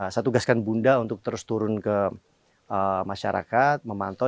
saya tugaskan bunda untuk terus turun ke masyarakat memantau